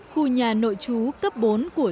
khu nhà nội trú cấp bốn của giáo viên nghệ an